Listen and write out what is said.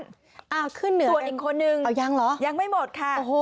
ส่วนอีกคนนึงยังไม่หมดค่ะ